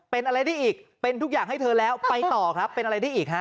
เป็นอะไรได้อีกเป็นทุกอย่างให้เธอแล้วไปต่อครับเป็นอะไรได้อีกฮะ